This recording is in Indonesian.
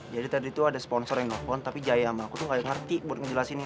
jadi tadi tuh ada sponsor yang ngepon tapi jaya sama aku tuh enggak ngerti buat ngejelasinnya